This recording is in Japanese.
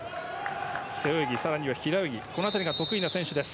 背泳ぎ、更には平泳ぎが得意な選手です。